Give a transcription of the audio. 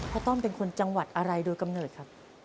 ต้อมเป็นคนจังหวัดอะไรโดยกำเนิดครับ